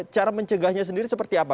cara mencegahnya sendiri seperti apa